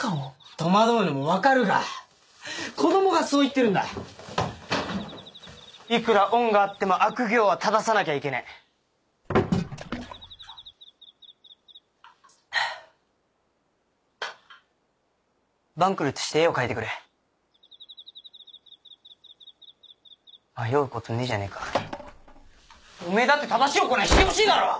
戸惑うのも分かるが子どもがそう言ってるんだいくら恩があっても悪行は正さなきゃいけねぇあぁっ晩来として絵を描いてくれ迷うことねぇじゃねぇかおめぇだって正しい行いしてほしいだろ？